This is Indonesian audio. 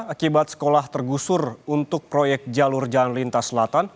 akibat sekolah tergusur untuk proyek jalur jalan lintas selatan